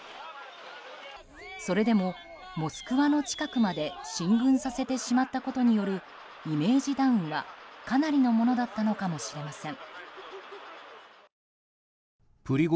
それでもモスクワの近くまで進軍させてしまったことによるイメージダウンはかなりのものだったのかもしれません。